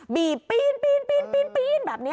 บีบปีนแบบนี้